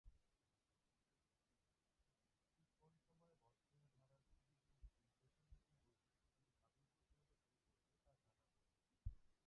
ঠিক কোন সময়ে বসনীয় ধারার সিরিলীয় লিপির প্রথম দিকের বৈশিষ্ট্যগুলি আবির্ভূত হতে শুরু করলে তা জানা কঠিন।